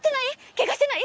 ケガしてない？